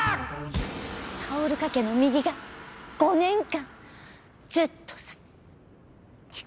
タオル掛けの右が５年間ずっと下がっ。